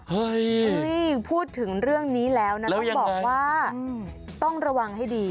พูดถึงเรื่องนี้แล้วนะต้องบอกว่าต้องระวังให้ดี